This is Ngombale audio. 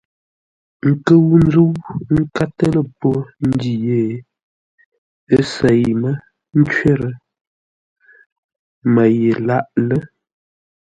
Ńkə́u ńzə́u ńkátə́ lə́ pô ndǐ yé, ə́ sêi mə́ ncwərə Mə́ ye lâʼ lə́.